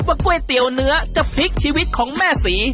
ว่าก้วยเตรียวเนื้อจะพลิกชีวิตของแม่สี